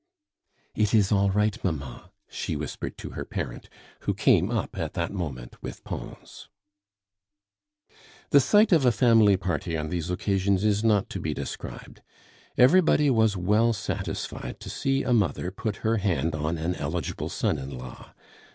"It is all right, mamma," she whispered to her parent, who came up at that moment with Pons. The sight of a family party on these occasions is not to be described. Everybody was well satisfied to see a mother put her hand on an eligible son in law.